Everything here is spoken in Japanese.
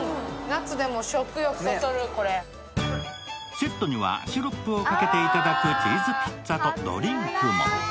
セットには、シロップをかけていただくチーズピッツァとドリンクも。